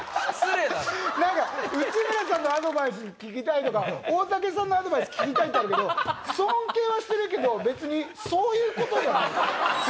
内村さんのアドバイス聞きたいとか大竹さんのアドバイス聞きたいってあるけど尊敬はしてるけど別にそういうことじゃない。